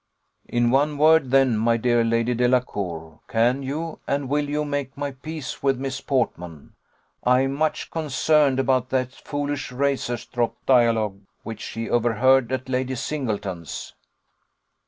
"In one word, then, my dear Lady Delacour, can you, and will you, make my peace with Miss Portman? I am much concerned about that foolish razor strop dialogue which she overheard at Lady Singleton's."